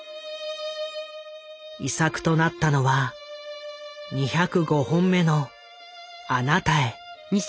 遺作となったのは２０５本目の「あなたへ」。